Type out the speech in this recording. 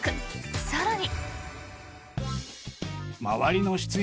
更に。